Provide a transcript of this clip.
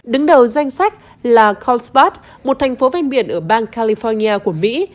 đứng đầu danh sách là consvat một thành phố ven biển ở bang california của mỹ